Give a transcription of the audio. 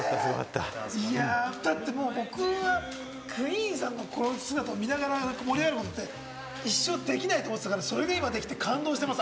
いやだって僕がもうクイーンさんの姿を見ながら盛り上がることって一生できないと思ってたから、それができて感動しています。